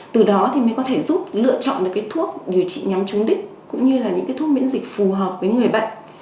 từ đó thì mới có thể giúp lựa chọn được cái thuốc điều trị nhắm trúng đích cũng như là những cái thuốc miễn dịch phù hợp với người bệnh